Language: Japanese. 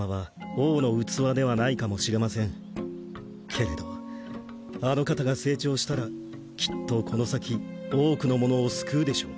けれどあの方が成長したらきっとこの先多くの者を救うでしょう